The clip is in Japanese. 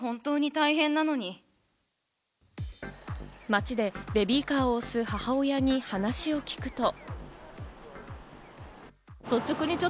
街でベビーカーを押す母親に話を聞くと。